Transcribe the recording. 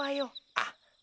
あっ。